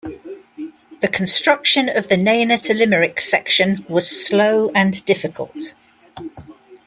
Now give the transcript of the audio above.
The construction of the Nenagh to Limerick section was slow and difficult.